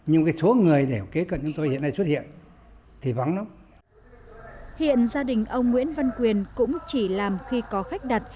hiện gia đình ông nguyễn văn quyền cũng chỉ làm khi có khách đặt